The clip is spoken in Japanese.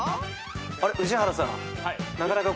あれ宇治原さん。